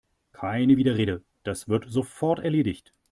Keine Widerrede, das wird sofort erledigt!